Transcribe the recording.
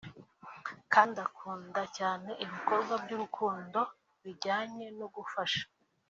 kandi akunda cyane ibikorwa by’urukundo bijyanye no gufasha